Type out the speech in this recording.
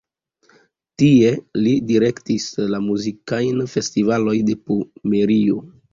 Tie li direktis la muzikajn festivaloj de Pomerio.